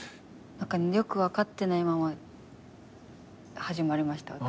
よく分かってないまま始まりました私。